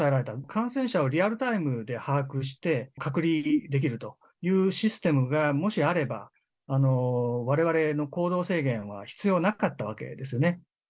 感染者をリアルタイムで把握して、隔離できるというシステムがもしあれば、われわれの行動制限は必要なかったわけですよね。